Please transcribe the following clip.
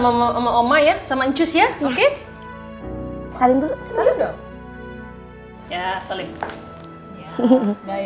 di hadapan wartawan aldebaran menyatakan kalau istrinya andin i karisma putri tidak bersalah atas kasus pembunuhan roy empat tahun silam